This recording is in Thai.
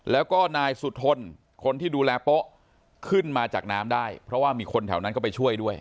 แล้วก็นายสุธนคนที่ดูแลโป๊ะขึ้นมาจากน้ำได้เพราะว่ามีคนแถวนั้นก็ไปช่วยด้วย